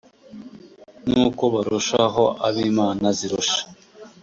n'uko barusha ho ab'imana zirusha